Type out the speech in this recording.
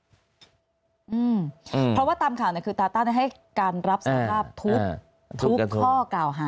เพราะว่าตามข่าวคือตาตั้งให้การรับสภาพทุกข้อกาวหา